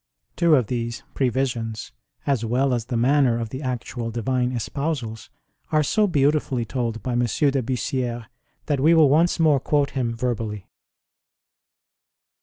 Two of these previsions, as well as the manner of the actual Divine espousals, are so beautifully told by M. de Bussierre that we will once more quote him verbally.